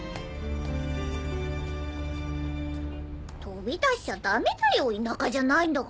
飛び出しちゃダメだよ田舎じゃないんだから。